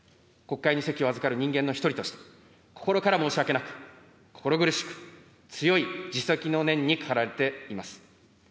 国会に席を預かる人間の一人として心から申し訳なく、心苦しく、強い自責の念にかられています。